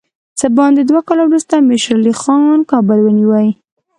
څه باندې دوه کاله وروسته امیر شېر علي خان کابل ونیوی.